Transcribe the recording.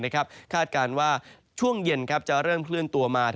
คาดการณ์ว่าช่วงเย็นจะเริ่มเคลื่อนตัวมา